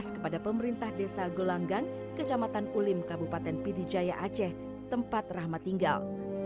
kas kepada pemerintah desa golanggang kecamatan ulim kabupaten pd jaya aceh tempat rahmat tinggal